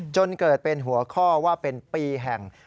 จนเกิดเป็นหัวข้อว่าเป็นปีแห่ง